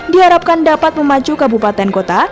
diharapkan dapat memacu kabupaten kota